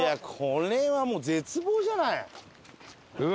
これはもう絶望じゃない？